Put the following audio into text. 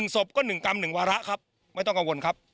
ศพก็๑กรัม๑วาระครับไม่ต้องกังวลครับ